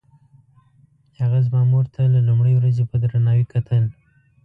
هغه زما مور ته له لومړۍ ورځې په درناوي کتل.